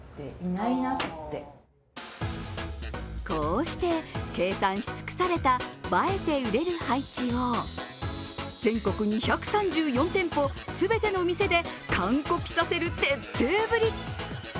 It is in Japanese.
こうして計算し尽くされた映えて売れる配置を全国２３４店舗全てのお店で完コピさせる徹底ぶり。